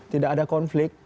tidak ada konflik